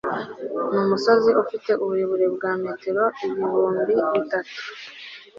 Uwo musozi ufite uburebure bwa metero ibihumbi bitatu